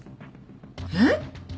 えっ？